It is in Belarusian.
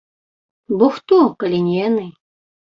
Бо хто, калі не яны?